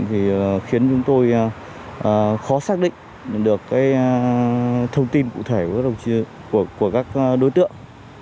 thì khiến chúng tôi khó xác định được cái thông tin cụ thể của các đối tượng